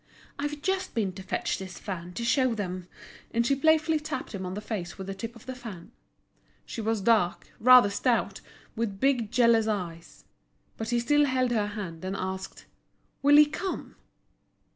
"I've just been to fetch this fan to show them," and she playfully tapped him on the face with the tip of the fan. She was dark, rather stout, with big jealous eyes. But he still held her hand and asked: "Will he come?"